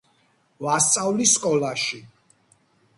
ვასწავლი სკოლაში.